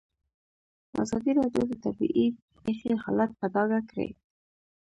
ازادي راډیو د طبیعي پېښې حالت په ډاګه کړی.